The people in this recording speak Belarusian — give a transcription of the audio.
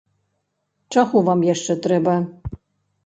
Чаго вам яшчэ трэба?